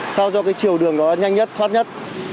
sau do cái chiều đường đó nhanh nhất thoát nhất